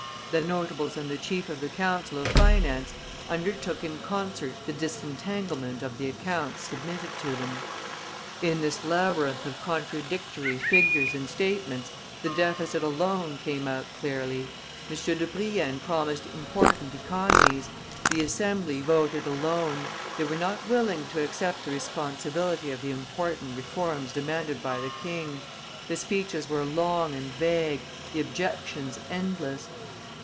The notables and the chief of the council of finance undertook in concert the disentanglement of the accounts submitted to them. In this labyrinth of contradictory figures and statements, the deficit alone came out clearly. M. de Brienne promised important economies, the Assembly voted a loan: they were not willing to accept the responsibility of the important reforms demanded by the king. The speeches were long and vague, the objections endless.